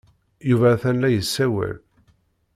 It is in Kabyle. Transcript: Yuba atan la yessawal.